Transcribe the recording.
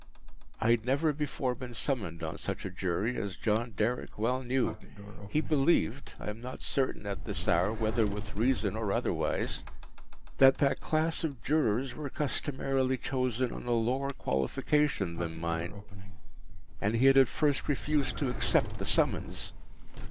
I had never before been summoned on such a Jury, as John Derrick well knew. He believed—I am not certain at this hour whether with reason or otherwise—that that class of Jurors were customarily chosen on a lower qualification than mine, and he had at first refused to accept the summons.